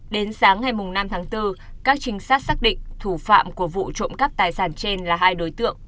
đến sáng ngày năm tháng bốn các trinh sát xác định thủ phạm của vụ trộm cắp tài sản trên là hai đối tượng